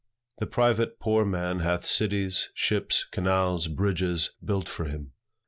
The private poor man hath cities, ships, canals, bridges, built for him.